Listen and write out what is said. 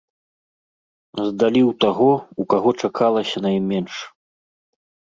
Здалі ў таго, у каго чакалася найменш.